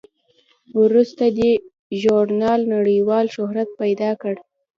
وروسته دې ژورنال نړیوال شهرت پیدا کړ.